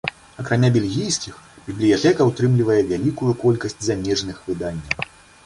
Акрамя бельгійскіх, бібліятэка ўтрымлівае вялікую колькасць замежных выданняў.